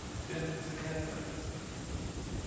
Wer hat diese Kerze angezündet?